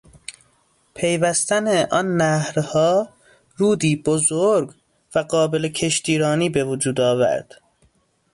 پیوستن آن نهرها رودی بزرگ و قابل کشتیرانی به وجود آورد.